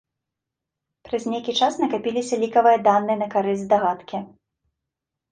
Праз нейкі час накапіліся лікавыя даныя на карысць здагадкі.